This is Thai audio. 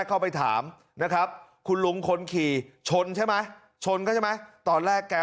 คุณผู้ชมครับพูดตรงแค่ชนไหมชนอ่านั่นแหละครับ